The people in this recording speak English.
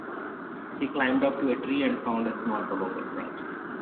He climbed up the tree and found a small hollow branch.